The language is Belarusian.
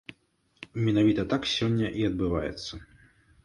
Менавіта так сёння і адбываецца.